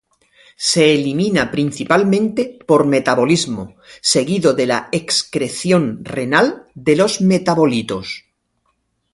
Se elimina principalmente por metabolismo, seguido de la excreción renal de los metabolitos.